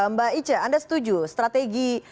mbak ica anda setuju strategi